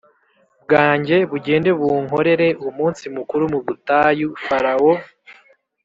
bwanjye bugende bunkorere umunsi mukuru mu butayu Farawo